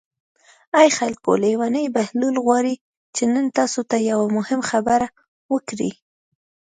ای خلکو لېونی بهلول غواړي چې نن تاسو ته یوه مهمه خبره وکړي.